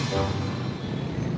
punggung kamu disetrika